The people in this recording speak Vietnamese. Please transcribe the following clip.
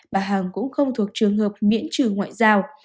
bà hằng cũng không thuộc trường hợp miễn trừ ngoại giao